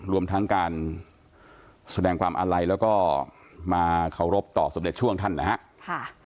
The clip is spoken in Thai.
รวมทั้งการแสดงความอาลัยแล้วก็มาเคารพต่อสมเด็จช่วงท่านนะครับ